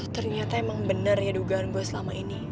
ternyata emang bener ya dugaan gue selama ini